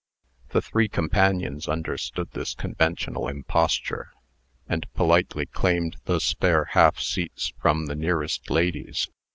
The three companions understood this conventional imposture, and politely claimed the spare half seats from the nearest ladies.